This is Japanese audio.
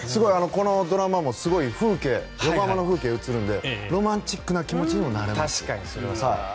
このドラマもすごく横浜の風景が映るのでロマンチックな気持ちにもなります。